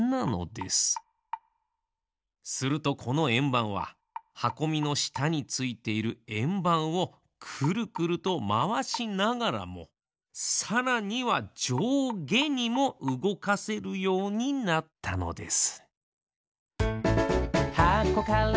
するとこのえんばんははこみのしたについているえんばんをクルクルとまわしながらもさらにはじょうげにもうごかせるようになったのです。